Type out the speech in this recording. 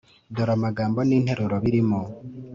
dore amagambo n’interuro birimo